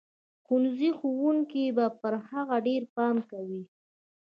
د ښوونځي ښوونکي به پر هغه ډېر پام کوي.